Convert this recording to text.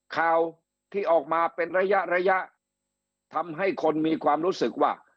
ข่าวที่ออกมาเป็นระยะระยะทำให้คนมีความรู้สึกว่า